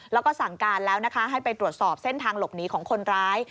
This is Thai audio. แล้วก็สั่งการแล้วนะคะให้ไปตรวจสอบเส้นทางหลบหนีของคนร้าย